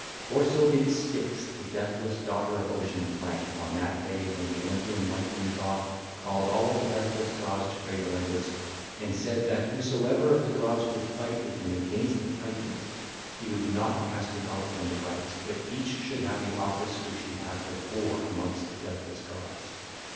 For so did Styx the deathless daughter of Ocean plan on that day when the Olympian Lightener called all the deathless gods to great Olympus, and said that whosoever of the gods would fight with him against the Titans, he would not cast him out from his rights, but each should have the office which he had before amongst the deathless gods.